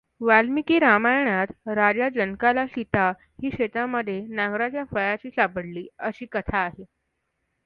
वाल्मिकी रामायणात राजा जनकाला सीता ही शेतामध्ये नांगराच्या फाळाशी सापडली अशी कथा आहे.